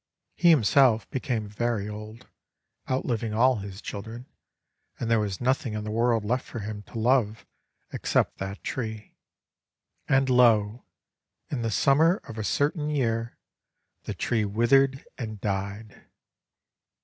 He himself became very old, — outliving all his children; and there was nothing in the world left for him to love except that tree. And lo ! in the summer of a certain year, the tree withered and died!